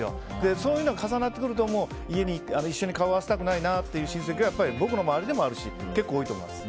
そういうのが重なってくると家に一緒に顔を合わせたくないなっていう親戚は僕の周りでもあるし結構多いと思います。